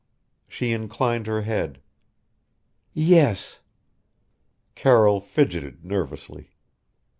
She inclined her head. "Yes." Carroll fidgeted nervously.